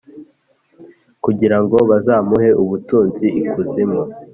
Kugirango bazamuhe ubutunzi ikuzimu